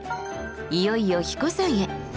いよいよ英彦山へ。